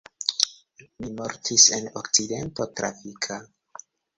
Mi mortis en akcidento trafika.